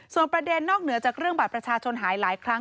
ส่วนประเด็นนอกเหนือจากเรื่องบัตรประชาชนหายหลายครั้ง